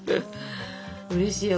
うれしいよ。